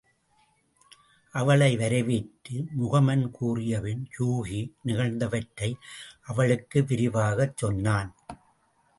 அவளை வரவேற்று முகமன் கூறியபின் யூகி நிகழ்ந்தவற்றை அவளுக்கு விரிவாகச் சொன்னான்.